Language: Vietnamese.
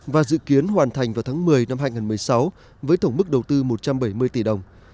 và dự kiến hoàn thành vào tháng một mươi năm hai nghìn một mươi sáu với tổng mức đầu tư một trăm bảy mươi tỷ đồng